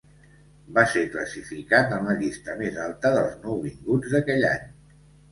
Va ser classificat en la llista més alta dels nouvinguts d'aquell any.